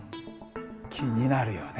気になるよね。